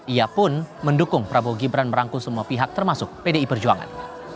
ia pun mendukung prabowo gibran merangkul semua pihak termasuk pdi perjuangan